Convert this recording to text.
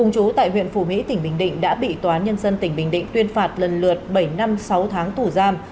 chú tại huyện phù mỹ tỉnh bình định đã bị tòa nhân dân tỉnh bình định tuyên phạt lần lượt bảy năm sáu tháng tù giam